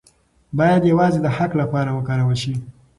باید یوازې د حق لپاره وکارول شي.